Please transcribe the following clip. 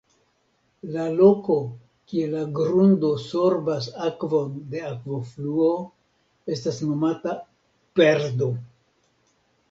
La loko, kie la grundo sorbas akvon de akvofluo estas nomata "perdo".